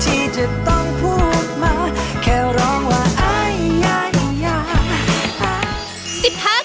แค่ร้องว่าไอ้ยายอย่าง